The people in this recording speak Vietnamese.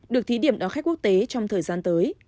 được thí điểm đón khách quốc tế trong thời gian tới